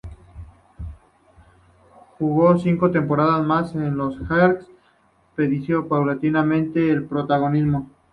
Jugó cinco temporadas más con los Heat, perdiendo paulatinamente su protagonismo.